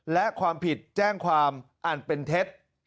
และความผิดแจ้งความอันเป็นเท็จ